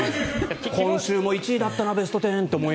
今週も１位だったな「ベストテン」って。